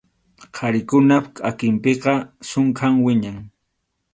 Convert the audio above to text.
Qharikunap kʼakinpiqa sunkham wiñan.